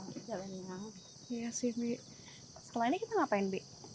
setelah ini kita ngapain b